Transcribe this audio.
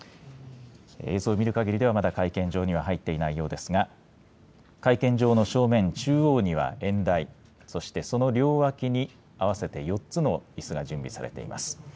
映像を見るかぎりでは、まだ会場には入っていないようですが、会見場の正面中央には演台、そしてその両脇に合わせて４つのいすが準備されています。